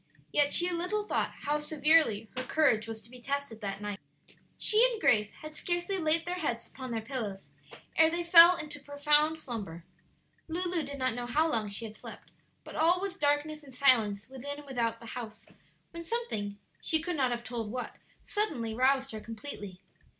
Yet she little thought how severely her courage was to be tested that night. She and Grace had scarcely laid their heads upon their pillows ere they fell into profound slumber. Lulu did not know how long she had slept, but all was darkness and silence within and without the house, when something, she could not have told what, suddenly roused her completely.